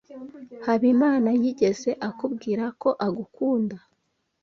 Habimana yigeze akubwira ko agukunda?